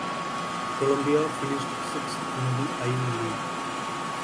Columbia finished sixth in the Ivy League.